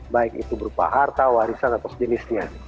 baik itu berupa harta warisan atau sejenisnya